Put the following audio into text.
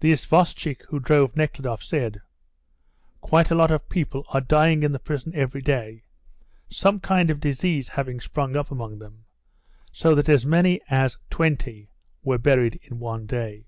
The isvostchik who drove Nekhludoff said, "Quite a lot of people are dying in the prison every day, some kind of disease having sprung up among them, so that as many as twenty were buried in one day."